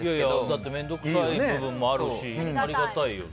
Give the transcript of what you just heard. だって面倒くさい部分もあるしありがたいよね。